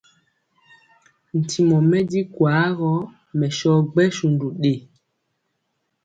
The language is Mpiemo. Ntimɔ mɛ di kwaa gɔ, mɛ sɔ gbɛsundu ɗe.